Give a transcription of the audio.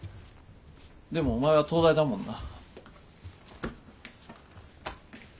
でもお前は東大だもんな。